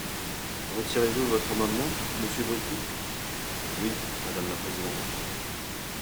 Retirez-vous votre amendement, monsieur Bricout ? Oui, madame la présidente.